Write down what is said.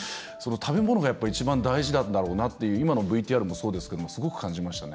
食べ物が一番大事なんだろうなという今のＶＴＲもそうですけどすごく感じましたね。